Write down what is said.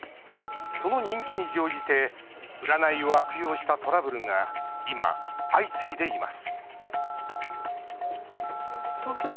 その人気に乗じて占いを悪用したトラブルが今、相次いでいます